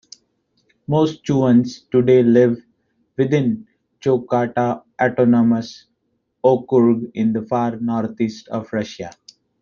Most Chuvans today live within Chukotka Autonomous Okrug in the far northeast of Russia.